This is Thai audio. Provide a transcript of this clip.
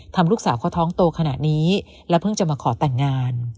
ลูกสาวเขาท้องโตขนาดนี้และเพิ่งจะมาขอแต่งงาน